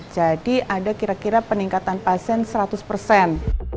jadi ada kira kira peningkatan pasien seratus